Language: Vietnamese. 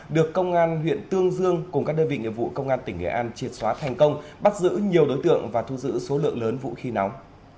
được công an huyện tương dương cùng các đơn vị nghiệp vụ công an tỉnh nghệ an triệt xóa thành công bắt giữ nhiều đối tượng và thu giữ số lượng lớn vũ khí nóng